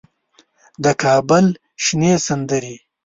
د کابل شنې سندرې